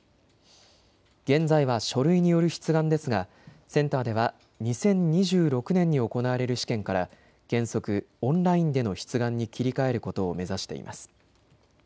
現在は書類による出願ですがセンターでは２０２６年に行われる試験から原則オンラインでの出願に切り替えることを目指しています。